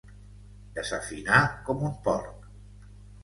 Desafinar com un porc.